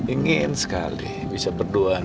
ingin sekali bisa berduaan